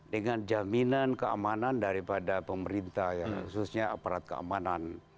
dengan jaminan keamanan daripada pemerintah khususnya aparat keamanan